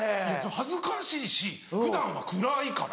恥ずかしいし普段は暗いから。